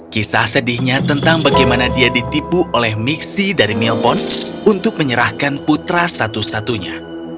kisah sedihnya tentang bagaimana dia ditipu oleh mixe dari milpon untuk menyerahkan putra satu satunya